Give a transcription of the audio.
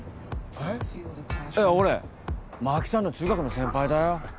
えっ俺真紀ちゃんの中学の先輩だよ。